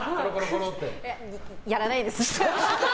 やらないです。